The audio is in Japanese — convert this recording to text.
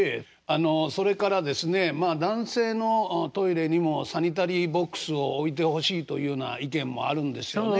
あのそれからですねまあ男性のトイレにもサニタリーボックスを置いてほしいというような意見もあるんですよね。